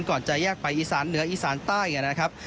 ก่อนจะแยกไปอีสานเหนืออีสานใต้นะครับ